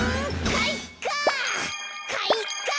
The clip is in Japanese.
かいか！